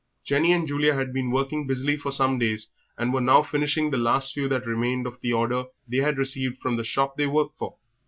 Jenny and Julia had been working busily for some days, and were now finishing the last few that remained of the order they had received from the shop they worked for.